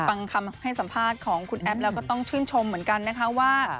ฟังคำให้สัมภาษณ์ของคุณแอปแล้วก็ต้องชื่นชมเหมือนกันนะคะว่า